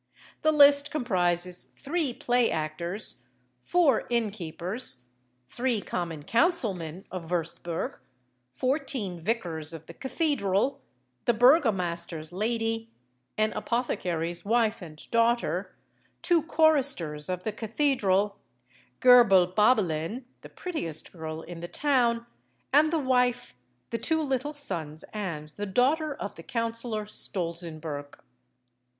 The list comprises three play actors, four innkeepers, three common councilmen of Würzburg, fourteen vicars of the cathedral, the burgomaster's lady, an apothecary's wife and daughter, two choristers of the cathedral, Göbel Babelin, the prettiest girl in the town, and the wife, the two little sons and the daughter of the councillor Stolzenberg.